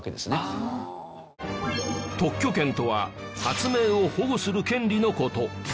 特許権とは発明を保護する権利の事。